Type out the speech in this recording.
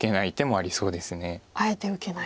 あえて受けない。